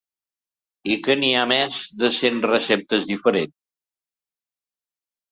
I que n’hi ha més de cent receptes diferents?